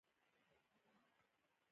د تایید لړۍ ستاسو د عزم ثبوت دی.